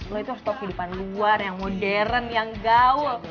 lo itu stok kehidupan luar yang modern yang gaul